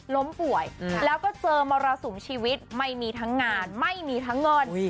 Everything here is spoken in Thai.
ล้มป่วยแล้วก็เจอมรสุมชีวิตไม่มีทั้งงานไม่มีทั้งเงิน